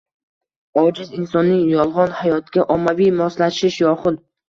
ojiz insonning “yolg‘on hayotga” ommaviy moslashish yoxud